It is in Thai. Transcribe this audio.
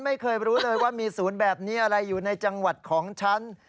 ไม่เคยรู้เลยว่ามีศูนย์แบบนี้อะไรอยู่ในจังหวัดของฉัน